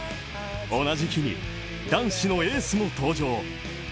同じ日に男子のエースも登場。